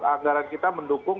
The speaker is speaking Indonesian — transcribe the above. anggaran kita mendukung